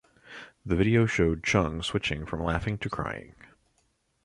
The video showed Chung switching from laughing to crying.